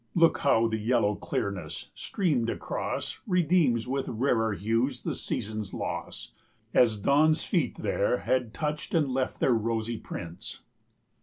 Look how the yellow clearness, streamed across, Redeems with rarer hues the season's loss, 139 As Dawn's feet there had touched and left their rosy prints.